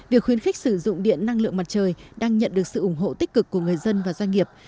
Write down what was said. việc khuyến khích sử dụng điện năng lượng mặt trời đang nhận được sự ủng hộ tích cực của người dân và doanh nghiệp